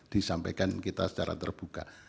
disampaikan kita secara terbuka